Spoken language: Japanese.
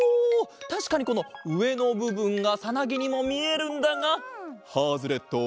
たしかにこのうえのぶぶんがさなぎにもみえるんだがハズレット！